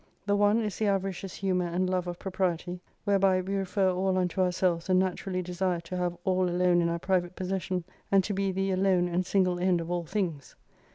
The one is the avaricious humour and love of propriety, whereby we refer all unto ourselves and naturally desire to have all alone in our private possession, and to be the alone and single end of all things.